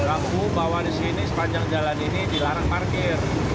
aku bahwa di sini sepanjang jalan ini dilarang parkir